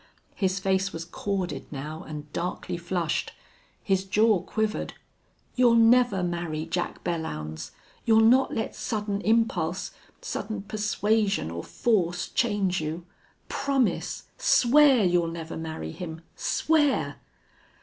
His face was corded now, and darkly flushed. His jaw quivered. "You'll never marry Jack Belllounds! You'll not let sudden impulse sudden persuasion or force change you? Promise! Swear you'll never marry him. Swear!"